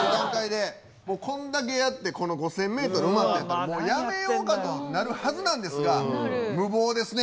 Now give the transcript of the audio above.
こんだけやって５，０００ｍ埋まってるんでもうやめようかとなるはずなんですが無謀ですね